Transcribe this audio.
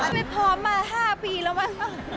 ไปพร้อมมา๕ปีแล้วมั้ง